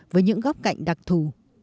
với những góc cạnh đặc thù